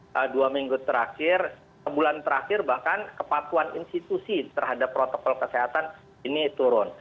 dalam dua minggu terakhir sebulan terakhir bahkan kepatuan institusi terhadap protokol kesehatan ini turun